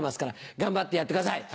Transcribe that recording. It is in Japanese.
頑張ってやってください。